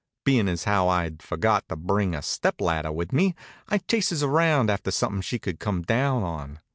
Bein' as how I'd forgot to bring a step ladder with me, I chases around after something she could come down on.